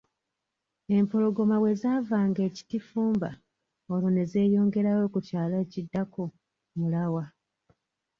Empologoma bwe zaavanga e Kitifumba, olwo ne zeeyongerayo ku kyalo ekiddako, Mulawa.